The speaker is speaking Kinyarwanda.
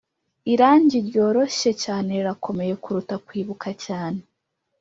irangi ryoroshye cyane rirakomeye kuruta kwibuka cyane